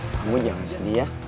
kamu jangan sedih ya